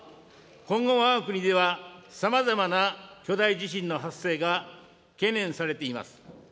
今後、わが国では、さまざまな巨大地震の発生が懸念されています。